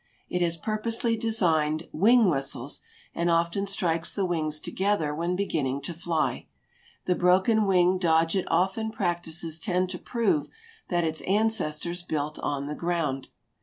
It has purposely designed "wing whistles" and often strikes the wings together when beginning to fly. The broken wing dodge it often practices tends to prove that its ancestors built on the ground.